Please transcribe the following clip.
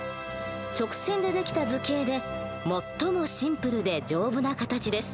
直線でできた図形で最もシンプルで丈夫な形です。